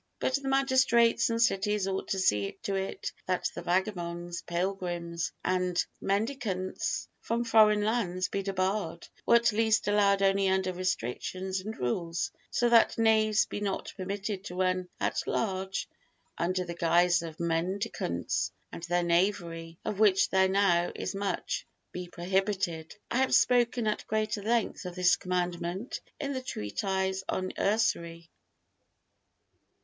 But the magistrates and cities ought to see to it that the vagabonds, pilgrims and mendicants from foreign lands be debarred, or at least allowed only under restrictions and rules, so that knaves be not permitted to run at large under the guise of mendicants, and their knavery, of which there now is much, be prohibited. I have spoken at greater length of this Commandment in the Treatise on Usury.